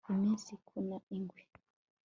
iminsi ikuna ingwe